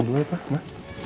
boleh ya pak ya